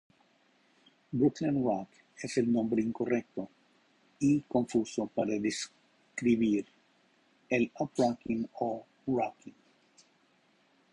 Brooklyn rock es el nombre incorrecto y confuso para describir el Up-Rocking o Rocking.